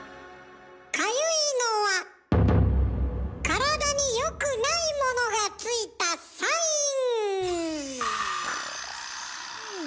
かゆいのは体に良くないものがついたサイン。